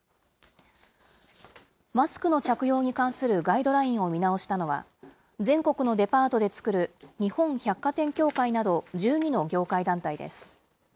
マスクの着用に関するガイドラインを見直したのは、全国のデパートで作る日本百貨店協会など１２の業界団体です。